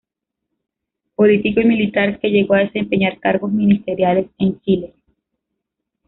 Político y militar, que llegó a desempeñar cargos ministeriales en Chile.